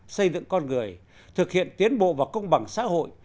xây dựng con người thực hiện tiến bộ và công bằng xã hội